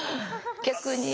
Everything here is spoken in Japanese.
逆に。